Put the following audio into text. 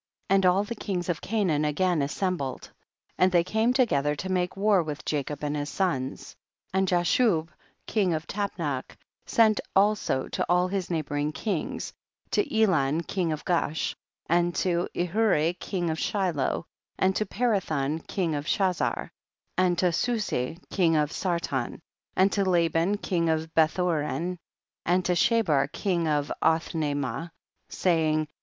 6. And all the kings of Canaan again assembled, and they came to gether to make war with Jacob and his sons. 7. And Jashub king of Tapnach sent also to all his neighboring kings, to Elan king of Gaash, and to Ihuri king of Shiloh, and to Parathon king of Chazar, and to Susi king of Sar ton, and to Laban king of Beth«ho ran, and to Shabir king of Othnay raah, saying, 8.